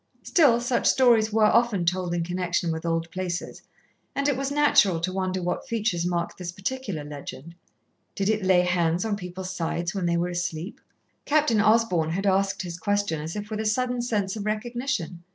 Still, such stories were often told in connection with old places, and it was natural to wonder what features marked this particular legend. Did it lay hands on people's sides when they were asleep? Captain Osborn had asked his question as if with a sudden sense of recognition.